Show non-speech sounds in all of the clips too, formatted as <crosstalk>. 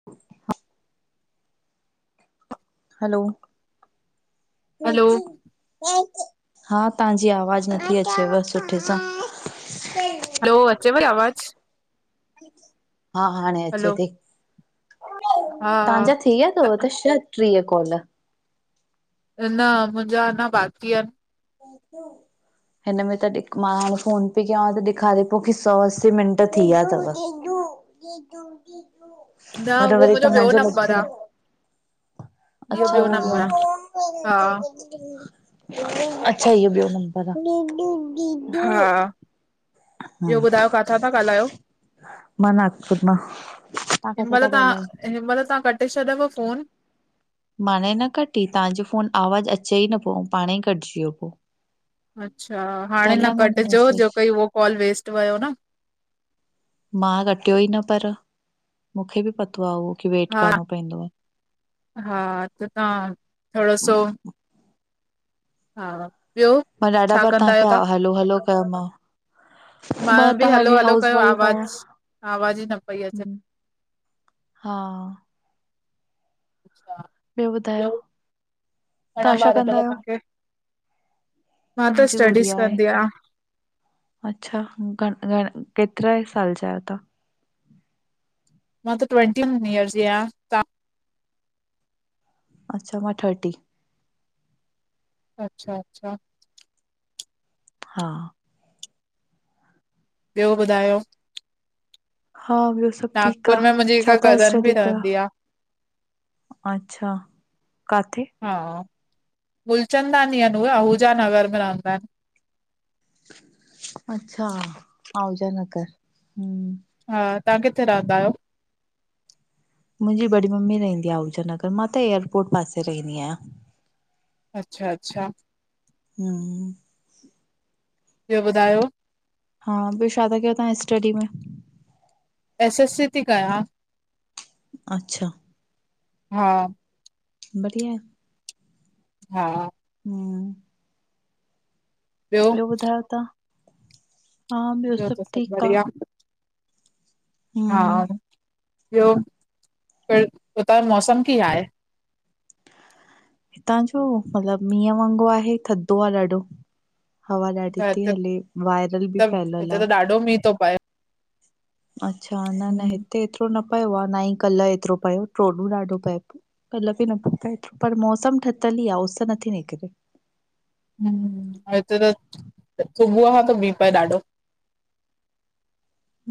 <inaudible> Hello हलो <unintelligible> हा तव्हांजी आवाज़ु नथी अचेव सुठे सां। हैलो, अचेव थो आवाज़ु? हा हाणे अचे हलो थी‌। हा तव्हांजा थी विया त अथव टूशन? ट्रीह काॅल। नं, मुंहिंजा अञा बाकी आहिनि। <unintelligible> हिन में त टिक मार्क हूंदी आ त ॾेखारे थो की सौ-अस्सी मिंट थी विया अथव। न पर उहो वरी मुंहिंजो ॿियो तव्हांजो नंबर लॻजी आ वयो। इहो अचछा ॿियो उहोई आ नंबर न। हा अच्छा इहो ॿियो नंबर आ। हा ॿियो ॿुधायो काथां था ॻाल्हायो? मां नागपुर मां तव्हां हिन किथां महिल था ॻाल्हायो तव्हां हिन महिल तव्हां कटे छॾयव फोनु? माणे न कटी तव्हांजो फोन आवाज़ु अचे ई न पियो ऐं पाणे ई कटिजी वियो पो। अच्छा हाणे न कटिजो, जो कोइ उहो कॉल वेस्ट वयो न। मां रखियो ई न पर, मूंखे बि पतो आहे उहो की वेट हा करिणो पईंदोआ। हा त तां थोॾो सो हा ॿियो मां ॾाढा छा बार तां कंदा आहियो खे तव्हां? अं हलो हलो कयोमांव मां बि त हलो हाली हलो हाउस कयो वाइफ आहियां आवाज़ आवाज़ ई न पई अचे। हम्म, हा अच्छा ॿियो घणा तव्हां छा ॿार कंदा अथव आहियो तां खे? मां त मुंहिंजी स्टडीज़ गुड़िया आहे कंदी हिकु आहिया। अच्छा गण गण केतिरे साल जा आहियो तां। मां त ट्वंटी वन इयर्रस जी आहेया। अच्छा मां थर्टी अच्छा अच्छा हा। ॿियो ॿुधायो? हा ॿियो सभ ठीक नागपुर आ। में मुंहिंजी हिक छा था कज़न बि स्टडी कयो? रहंदी आहे अच्छा काथे? हा गुलचंदानी आ भैया आहूजा नगर में रहंदा आहिन। अच्छा आहुजा नगर हमं हा तां किथे रहंदा आहियो? मुंहिंजी बड़ी मम्मी रहंदी आ आहुजा नगर मां त एयरपोर्ट पासे रहंदी आहियां। अच्छा अच्छा हमं ॿियो ॿुधायो? हा ॿियो छा था कयो त्हां स्टडी मे एस एस सी थी कयां। अच्छा हा बढ़िया आहे। हा हम्म ॿियो ॿधयो तां? हा ॿियो त सभ सभु ठीक आ। बढ़िया हा ॿियो प हुतां जो मौसमु कीअं आहे। हितां जो मतलबु मींहं वांगुरु आहे थधो आहे ॾाढो। हवा त ॾाढी थी हिते हले वायरल बि फैलल आ। ॾो मींह थो पाए। अच्छा न न हम्म हिते एतिरो न पियो आ न ई कल्ह एतिरो पयो ट्रोडूं ॾाढो पएयो। कल बि न पो पए पर मौसम ठतल ई आ उस नथी निकरे। हम्म हिते त सुबुह खां त बीह पए ॾाढो।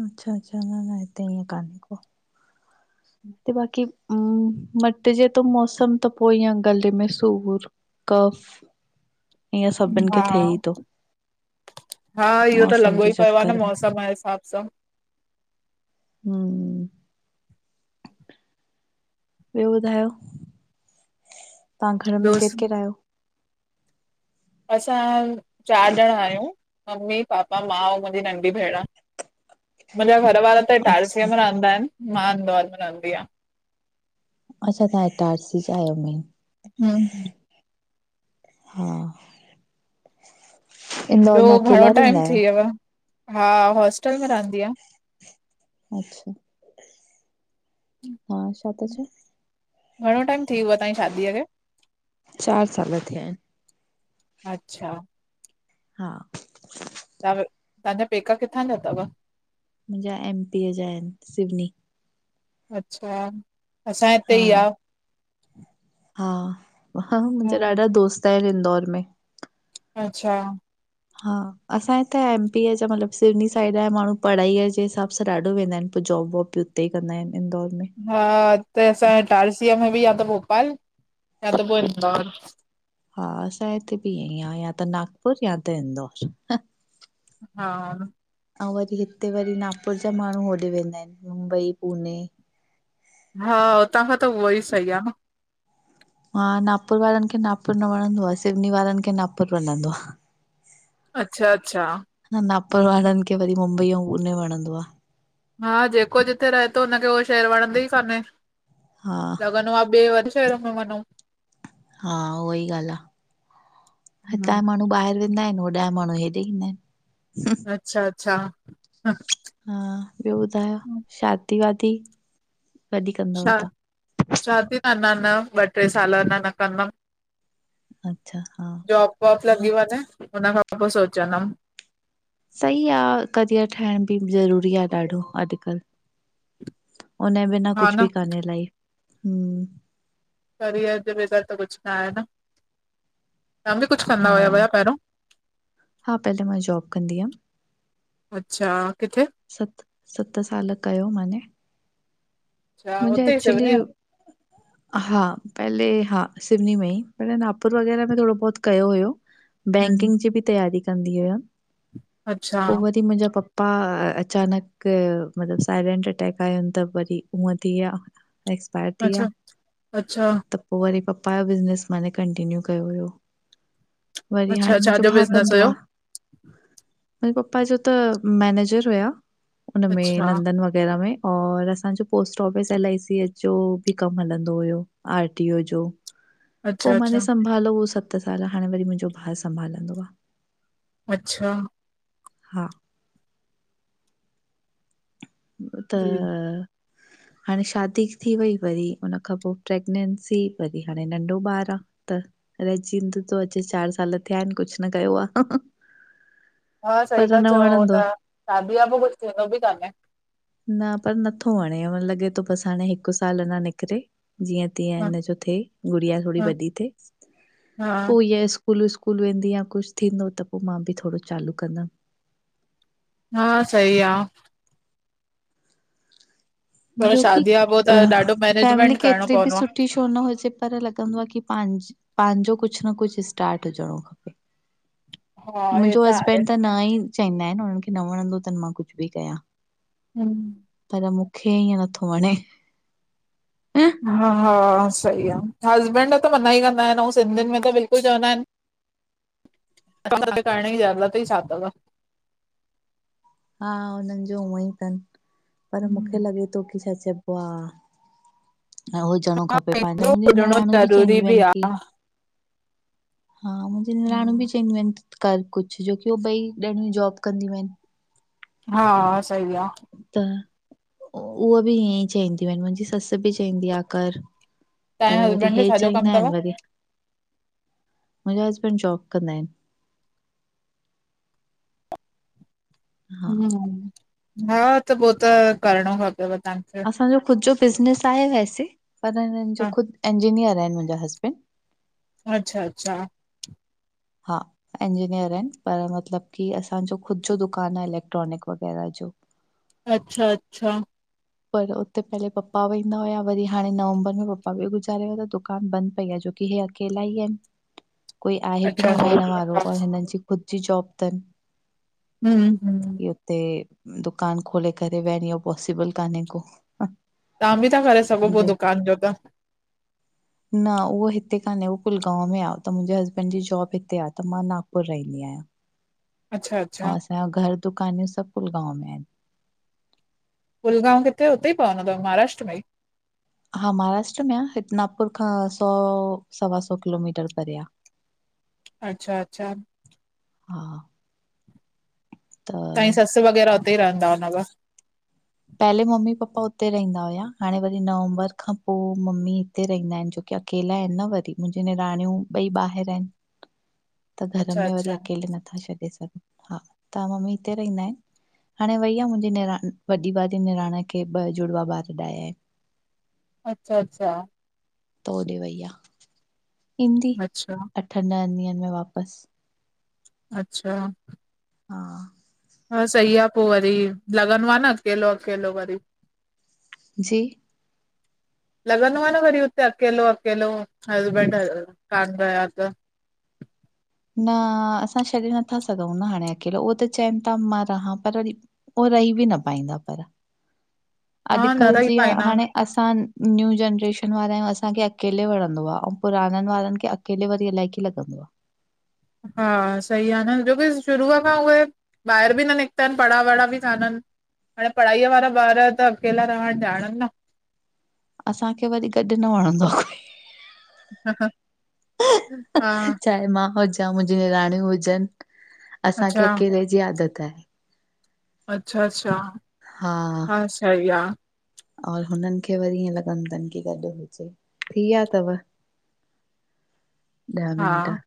अच्छा अच्छा न न हिते ई कानहे को। ते बाक़ी हम मट जे त मौसम त पो ईंय गले में सूर कफ ईअं सभिनि खे हा। थिए ई थो हा इहो त मौसम लॻो जे ई पियो आ न चक्कर में मौसम जे हिसाब सां। हम्म। ॿियो ॿुधायो तां घर में ॿियो केर स- किरायो? असां चारि ॼणा आहियूं, मम्मी, पापा, मां ऐं मुंहिंजी नंढी भेण। मुंहिंजा घर वारा त अच्छा इटारसीअ में रहंदा आहिन, मां इंदौर में रहंदी आयां। अच्छा तहां इटारसी जा आहियो मेन। हंम हा <inaudible> इंदौर ॿियो में अकेला घणो टाइम रहंदा आहियो? थी व्यव, हा होस्टल में रहंदी आ? अच्छा हा छा ता चए? घणो टाइम थी वियव तहांजी शादीअ खे? चारि साल थिया आहिन। अच्छा। हा तां तहांजा पेका किथां जा थव? मुंहिंजा एमपीअ जा आहिन, सिवनी। अच्छा, असांजे हिते हा ई आ। हा ह, मुंहिंजा ॾाढा दोस्त आहिन इंदौर में। अच्छा। हा, असां हिताया एमपीअ जा मतलबु सिवनी साइड जा माण्हू पढ़ाईअ जे हिसाबु सां ॾाढो वेंदा आहिन पो जॉब वॉब उते ई कंदा आहिन इंदौर में। हा त असांजे इटारसीअ में बि या त भोपाल या त पो इंदौर। हा असां हिते बि ईंअई आ, या त नागपुर या त इंदौर। हा अऊं वरी हिते वरी नागपुर जा माण्हू होॾे वेंदा आहिन मुंबई, पूने। हा, हुतां खां त उहो ई सही आ न। हा नागपुर वारनि खे नागपुर न वणंदो आ, सिवनी वारनि खे नागपुर वणंदो आ। अच्छा अचछा! हिन नागपुर वारनि खे वरी मुंबई अऊं पुने वणंदो आ। हा जेको जिथे रहे थो हुनखे उहो शहर वणंदो ई कान्हे। हा लॻंदो आ, ॿे वॾे शहर में वञऊं। हा उ ई ॻाल्हि आ, हितांया हम्म, माण्हू ॿाहिरि वेंदा आहिन, होॾहया माण्हू हेॾे ईंदा आहिन। अच्छा- अच्छा हा, ॿियो ॿुधायो शादी -वादी कॾहिं कंदव छा, तव्हां शादी न, अंञा न, ॿ टे साल अंञा न कंदमि। अच्छा हा। जॉब वॉब लॻी वंञे, हुन खां पो सोचंदमि। सही आ, करियर ठाहिण बि ज़रूरी आ ॾाढो अॼुकल्ह। उने बिना हा कुझु बि न कान ए लाइफ। करियर जे बग़ैर त कुछु न आहे न, तव्हां बि कुछु कंदा हा हुया भया पहिरियों? हा पहले मां जॉब कंदी हुअमि। अच्छा! किथे? सत्त, सत्त साल कयो माने। अच्छा मुंहिंजे हुते ई एक्चुली <inaudible> हा पहले, हा सिविनी में ई, पहिरे नागपुर वग़ैरह में थोङोबहुत कयो हुयो। में? बैंकिंग जी बि तैयारी कंदी हुयमि, अच्छा पो वरी मुंहिंजा पपा पप्पा अचानक मतलबु साइलेंट अटैक आयम त वरी हूअं थी विया। एक्सायर थी अच्छा व्या अच्छा त पो वरी पाप्पा जो बिज़नेस माने कंटिन्यु कयो हुयो। वरी अच्छा हाणे मुंजो छाजो भाउ बिज़नेस कंदो आ। हुयो? मुंहिंजे पपा जो त मैनेजर हुया उनमें अच्छा नंदन वग़ैरह में और असांजो post office, L I C H जो बि कमु हलंदो हुयो आर टीओ जो। पो अच्छा माने अच्छा संभालो उह सत्त साल, हाणे वरी मुंजो भाउ संभालंदो आ। अच्छा। हा त जी। <inaudible> हाणे शादी थी वई, वरी उन खां पो प्रैगनैेंसी, वरी हाणे नंढो ॿारु आ। त रजींद तो, अचु चारि साल थिया आहिन कुछ न कयो आ। हा सही ता चओ आहे त शादीअ खां पो कुछु थींदो बि कान्हे। न पर नथो वणे, लॻे थो बसि हाणे हिकु साल अंञा निकिरे जीअं तींअ ह हिनजो थे। गुड़िया थोङी ह वॾी थिए हा पो इअ स्कूल स्कूल वेंदी या कुछु थींदो त पो मां बि थोङो चालू कंदमि। हा सईी आ। पर जोकि शादी खां पो अ त ॾाढो फैमिली मैनेजमेंट करणो केतिरी बि पवंदो आ। सुठी छो न हुजे पर लॻंदो आ कि पंहांजो पंहांजो कुछु न कुछु स्टार्ट हुजणो खपे। हा हे मुंहिंजो त आहे। हसबैंड त न ई चंइंदा आहिन, हुननि खे न वणंदो अथनि मां कुछु बि कयां। हम्म पर मूंखे ईअं नथो वंणे। हा हा सही आ, हसबैंड त मना ई कंदा आहिन, ऐं सिंधियुनि में त बिल्कुलु चवंदा आहिन त <unintelligible> करण ई जरुरत ई छा थव? हा हुनन जो उंअं ई थनि पर मूंखे लॻे थो कि छा चइबो आ ऐं हुजणो खपे पंहिंजो, मुंजी न हुजणो नियाणूं बि ज़रूरी चवंदियूं आहिन आ। कि हा मुंजी निराणू बि चंइंदियूं आइन कर कुछ, जोकी उ भई ॾाणियूं जॉब कंदियूं आहिन। हा, सही आ। त उह बि ईअं ई चईंदियूं आहिन, मुंजी ससु बि चईंदी आ, कर। तव्हांजे पर वरी हसबैंड जो इहे छाजो कम चाहींदा तव? आहिन वरी, मुंजा हसबैंड जॉब कंदा आहिन। हा हा त पो त करिणो खपेव तहांखे। असांजो ख़ुदि जो बिज़नेस आहे वैसे पर हिनन हा। जो ख़ुदि इंजीनियर आहिन मुंजा हसबैंड। अच्छा अच्छा। हा इंजीनियर आहिन पर मतिलबु कि असांजो ख़ुदि जो दुकानु आहे इलेक्ट्रॉनिक वग़ैरह जो। अच्छा अच्छा पर उते पहले पप्पा वेंदा हुआ, वरी हाणे नवंबर में पपा बि गुज़ारे व्या त दुकान बंदि पई आहे जो हिय अकेला ई आहिन। <inaudible> कोई आहे बि अच्छा न वियण वारो और हिनन जी ख़ुदि जी जॉब थन। हम्म ते दुकान खोले करे वियन, इयो पॉसिबल कान्हे को। तहां बि ता करे सघो पो दुकान जो त। न उहो हिते कान्हे उहो कुलगांव में आ त मुंहिंजे हस्बैंड जी जॉब हिते आ त मां नागपुर रहींदी आहियां। अच्छा अच्छा ऐं घर दुकान्यूं सभु कुलगांव में आहिन। कुलगांव किथे, हुते ई पवंदो थव महाराष्ट्र में ई? हा महाराष्ट्र में आ, हिते नागपुर खां सौ सवा सौ किलोमीटर परे आ। अच्छा- अच्छा हा, त तहांजी ससु वग़ैरह उते ई रहंदा हुंदव? पहले मम्मी पप्पा हुते रहिंदा हुया, हाणें वरी नवंबर खां पो मम्मी हिते रहींदा हिन छोकी अकेला हिन न वरी, मुंहिंजी निराणियूं ॿई ॿाहिर आहिन। <inaudible> त घर अच्छा में अच्छा, वरी अकेले नत्था छॾे सघूं। हा त मम्मी हिते रहिंदा हिन, हाणें वई आ मुंहिंजी निरांण वॾी वारी निरांण खे ॿ जुड़वा ॿार ॾाया इनि। अच्छा- अच्छा त ओॾे वईया ईंदी अच्छा अठन ॾहन ॾींहन में वापस। अच्छा हा। हा सही आ पो वरी लॻंदो आ न अकेलो अकेलो वरी। जी? <inaudible> लॻन्दो आ न वरी हुते अकेलो- अकेलो हसबैंड कान रहया त न असां छॾे नत्था सघऊं न हाणें अकेलो, उहो त चइन ता मां रहां, पर वरी हो रही बि न पाईंदा पर हा न अॼुकल्ह रही जीअं पाईंदा हाणे असां न्यू जनरेशन वारा आहियूं असांखे अकेले वणंदो आ, अंउं पुराणनि वारनि खे अक् अकेले वरी अलाए कीयं लॻंदो आ। हा सही आ न जो की शुरू आ खां उहे ॿाहेर बि न निकता इन पढ़ा- वड़ा बि कानन हाणें पढ़ाईअ वारा ॿार त अकेला रहण ॼाणन न असांखे वरी गॾु न वणंदो आ कोई हा हा। चाहे मां हुजां, मुंहिंजी निराणियूं हुजन असांखे अच्छा अकेले जी आदत आहे। अच्छा -अच्छा हा। हा सही आ। और हुनन खे वरी ईअं लॻंदो तनि की गॾु हुजे थीया तव <inaudible> ॾह मिंट हा,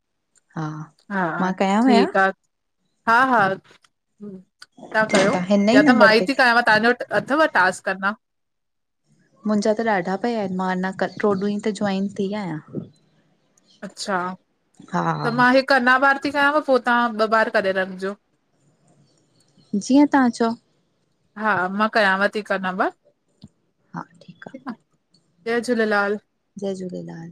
हा हा मां कयांव या? ठीक आ। हा हा तहां कयो ठीकु आ हिन यां त मां नंबर ई ते ती कयांव। तहांजे वटि अथव टास्क अन्ना। मुंजा त ॾाढा पिया हिनि मां अंञां कल ट्रोॾु ई त जॉइन थी आहियां। अच्छा हा त मां हिकु अना बार ती कयांव पो तहां ॿ बार करे रखिजो। जीअं तहां चओ। हा मां कयांव थी हिकु नम हा, ठीकु आ। जय झूलेलाल। जय झूलेलाल।